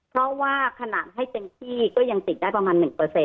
เพราะว่าขนาดให้เต็มที่ก็ยังติดได้ประมาณ๑